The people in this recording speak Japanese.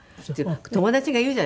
友達が言うじゃない。